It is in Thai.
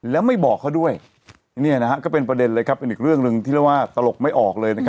แล้วไม่บอกเขาด้วยก็เป็นประเด็นเลยครับเป็นอีกเรื่องหนึ่งที่เรียกว่าตลกไม่ออกเลย